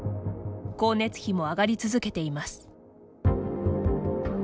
光熱費も上がり続けています。